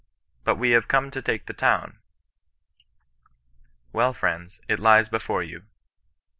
' But we have come to take the town.' * Well, friends, it lies before you.'